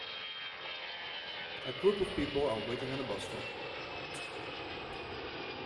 A group of people are waiting at a bus stop.